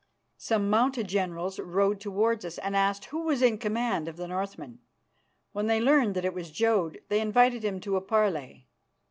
Some mounted generals rode towards us and asked who was in command of the Northmen. When they learned that it was Jodd, they invited him to a parley.